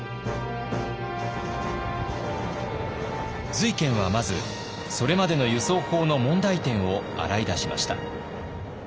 瑞賢はまずそれまでの輸送法の問題点を洗い出しました。